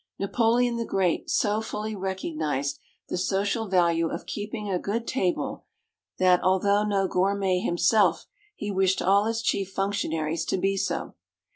Napoleon the Great so fully recognized the social value of keeping a good table that, although no gourmet himself, he wished all his chief functionaries to be so.